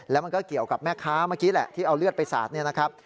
แล้วมันก็เกี่ยวกับแม่ค้าเมื่อกี้แหละที่เอาเลือดไปสาดเนี่ยนะครับ